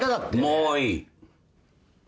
もういい。